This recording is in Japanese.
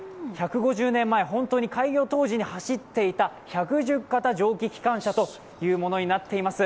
１５０年前、本当に開業当時に走っていた１１０形蒸気機関車というものになっています。